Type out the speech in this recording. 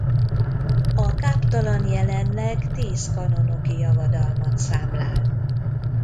A káptalan jelenleg tiz kanonoki javadalmat számlál.